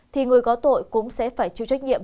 thì người có tội cũng sẽ phải chịu trách nhiệm